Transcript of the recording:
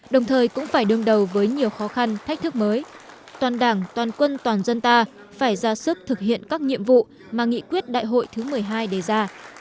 đồng thời cũng phải đương đầu với nhiều khó khăn thách thức mới toàn đảng toàn quân toàn dân ta phải ra sức thực hiện các nhiệm vụ mà nghị quyết đại hội thứ một mươi hai đề ra